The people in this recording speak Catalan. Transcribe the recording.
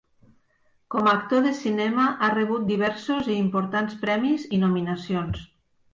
Com a actor de cinema ha rebut diversos i importants premis i nominacions.